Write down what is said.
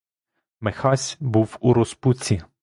Михась був у розпуці.